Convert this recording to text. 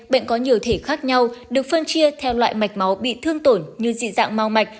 bệnh có nhiều thể khác nhau được phân chia theo loại mạch máu bị thương tổn như dị dạng mau mạch